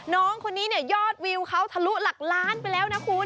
น้องคนนี้ยอดวิวเขาถลุหลักล้านไปแล้วนะหู้